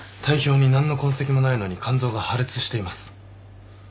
体表に何の痕跡もないのに肝臓が破裂しています。